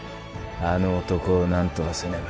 あの男をなんとかせねば。